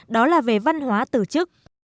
đó là về văn hóa tự chức